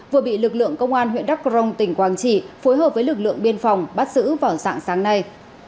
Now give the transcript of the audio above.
vừa bị lực lượng công an huyện đắk crong tỉnh quảng trị phối hợp với lực lượng biên phòng bắt giữ vào dạng sáng nay